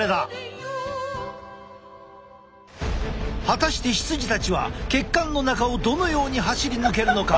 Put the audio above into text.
果たして羊たちは血管の中をどのように走り抜けるのか？